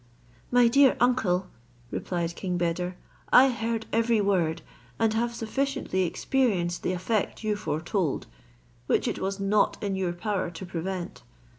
"My dear uncle," replied King Beder, "I heard every word, and have sufficiently experienced the effect you foretold; which it was not in your power to prevent.